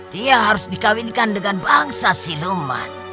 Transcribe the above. dia harus dikawinkan dengan bangsa sinema